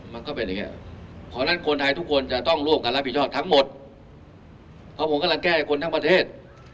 เพราะฉะนั้นคนไทยทุกคนจะต้องร่วมกันรับผิดชอบทั้งหมดเพราะผมกำลังแก้คนทั้งประเทศ